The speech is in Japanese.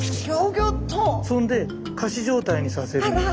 そんで仮死状態にさせるんです。